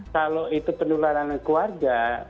kalau itu penularan keluarga